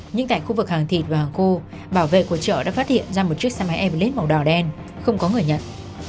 nhưng tại khu vực hàng thịt và hàng khô bảo vệ của chợ đã phát hiện ra một chiếc xe máy ebles màu đỏ đen không có người nhận